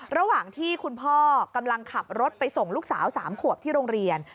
ระหว่างที่คุณพ่อกำลังขับรถไปส่งลูกสาว๓ขวบที่โรงเรียน